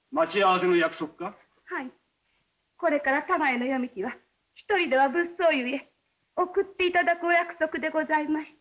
はいこれから多賀への夜道は一人では物騒ゆえ送っていただくお約束でございました。